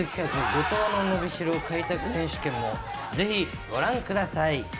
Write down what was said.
後藤の伸びしろ開拓選手権もぜひご覧ください！